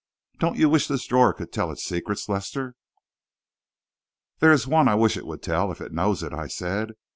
Don't you wish this drawer could tell its secrets, Lester?" "There is one I wish it would tell, if it knows it," I said.